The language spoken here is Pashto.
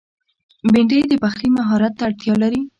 بېنډۍ د پخلي مهارت ته اړتیا لري